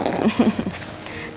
barunya aku suka banget